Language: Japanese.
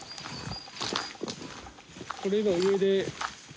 これ今上で。